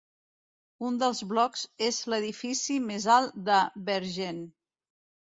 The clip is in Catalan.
Un dels blocs és l'edifici més alt de Bergen.